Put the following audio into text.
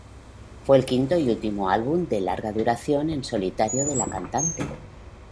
Fue el quinto y último álbum de larga duración en solitario de la cantante.